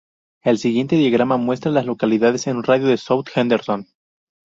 El siguiente diagrama muestra a las localidades en un radio de de South Henderson.